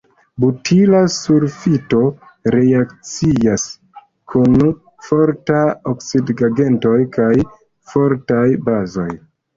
Butila sulfito reakcias kun fortaj oksidigagentoj kaj fortaj bazoj.